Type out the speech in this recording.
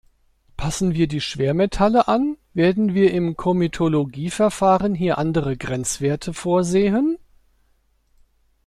Passen wir die Schwermetalle an, werden wir im Komitologieverfahren hier andere Grenzwerte vorsehen?